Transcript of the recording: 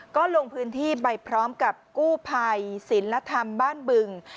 ก็ลงพื้นที่ไปพร้อมกับกู้ภัยศิลธรรมบ้านบึง